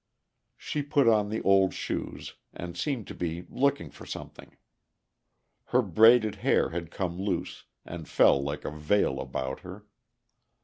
She put on the old shoes, and seemed to be looking for something. Her braided hair had come loose, and fell like a veil about her.